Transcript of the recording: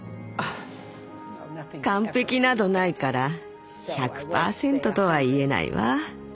完璧などないから１００％とは言えないわ。